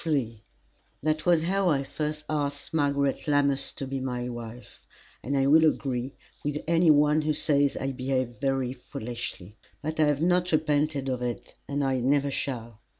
III That was how I first asked Margaret Lammas to be my wife, and I will agree with any one who says I behaved very foolishly. But I have not repented of it, and I never shall.